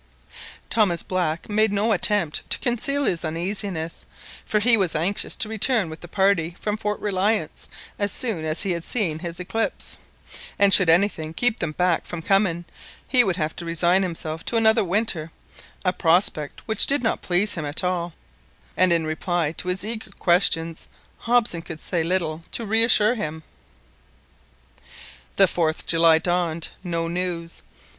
Thomas Black made no attempt to conceal his uneasiness, for he was anxious to return with the party from Fort Reliance as soon as he had seen his eclipse; and should anything keep them back from coming, he would have to resign himself to another winter, a prospect which did not please him at all; and in reply to his eager questions, Hobson could say little to reassure him. The 4th July dawned. No news!